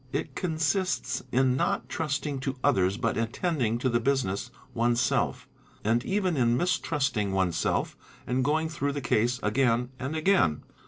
It consists in not trusting to others but attending to the business oneself, and even in mistrusting oneself and going through the case again and again.